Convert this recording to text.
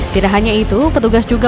tidak hanya itu petugas juga